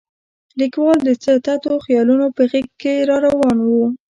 لیکوال د څه تتو خیالونه په غېږ کې راون و.